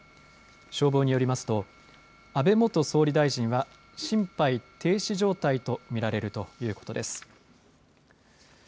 消防によりますと安倍元総理大臣は心肺停止状態と見られるということです。